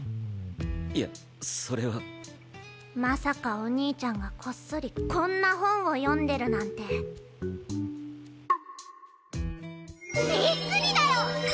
いやそれはまさかお兄ちゃんがこっそりこんな本を読んでるなんてびっくりだよ！